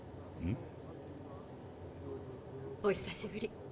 うん？お久しぶり。